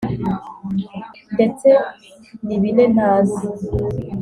ndetse ni bine ntazi: